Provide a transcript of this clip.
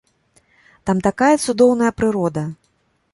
Там такая цудоўная прырода!